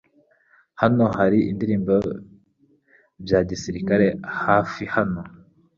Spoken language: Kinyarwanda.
Hano hari ibirindiro bya gisirikare hafi hano.